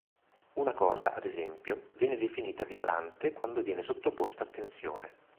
Una corda, ad esempio, viene definita vibrante quando viene sottoposta a tensione.